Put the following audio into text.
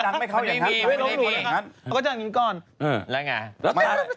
นางคงพูดอย่างนี้